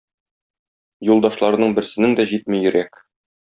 Юлдашларның берсенең дә җитми йөрәк.